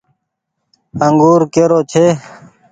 انگور ڪي رو ڇي ۔